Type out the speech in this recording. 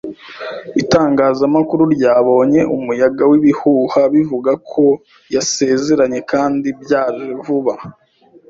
Itangazamakuru ryabonye umuyaga wibihuha bivuga ko yasezeranye kandi byaje vuba.